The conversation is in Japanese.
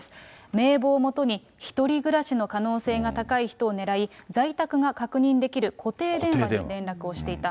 名簿をもとに１人暮らしの可能性が高い人をねらい、在宅が確認できる固定電話に連絡をしていた。